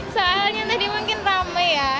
soalnya tadi mungkin rame ya